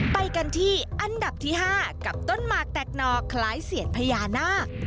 ไปกันที่อันดับที่๕กับต้นหมากแตกหนอคล้ายเสียนพญานาค